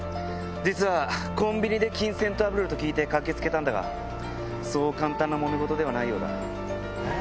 実はコンビニで金銭トラブルと聞いて駆け付けたんだがそう簡単なもめ事ではないようだ。